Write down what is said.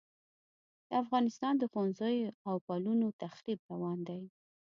د افغانستان د ښوونځیو او پلونو تخریب روان دی.